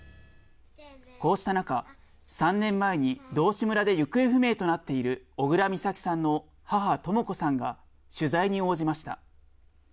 こうした中、３年前に道志村で行方不明となっている小倉美咲さんの母、とも子さんが取材に応じました。